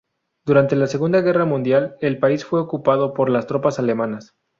Durante la Segunda Guerra Mundial, el país fue ocupado por las tropas alemanas.